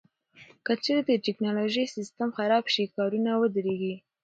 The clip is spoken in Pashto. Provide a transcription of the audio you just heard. که چیرې د ټکنالوژۍ سیستم خراب شي، کارونه ودریږي.